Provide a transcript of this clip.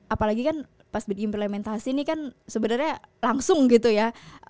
apalagi kan pas berimplementasi ini kan sebenarnya langsung gitu ya